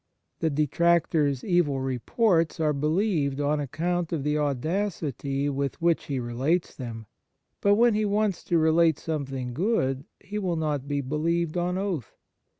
The detractor s evil reports are believed on account of the audacity with which he relates them, but when he wants to relate something good he will not be believed on oath.